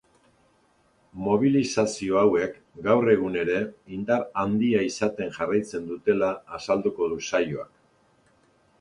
Mobilizazio hauek gaur egun ere indar handia izaten jarraitzen dutela azalduko du saioak.